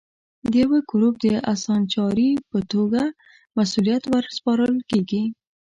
د یوه ګروپ د اسانچاري په توګه مسوولیت ور سپارل کېږي.